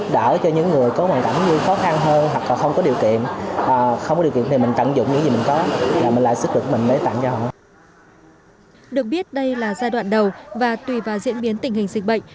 được biết đây là giai đoạn đầu và tùy vào diễn biến tình hình dịch bệnh